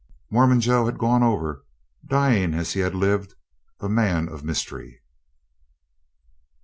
Mormon Joe had "gone over" dying as he had lived a man of mystery.